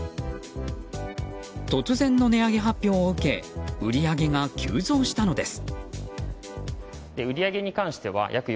突然の値上げ発表を受け売り上げが急増したのです。